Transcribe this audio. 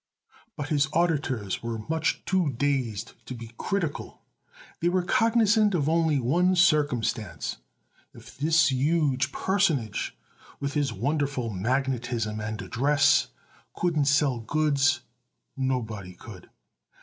But his auditors were much too dazed to be critical. They were cognizant of only one circumstance: If this huge personage with his wonderful magnetism and address couldn't sell goods, nobody could.